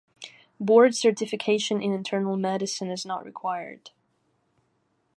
Board certification in internal medicine is not required.